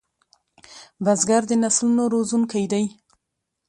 بزګر د نسلونو روزونکی دی